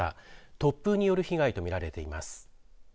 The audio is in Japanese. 突風による被害と見られています。